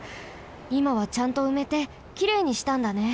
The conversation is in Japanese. いまはちゃんとうめてきれいにしたんだね。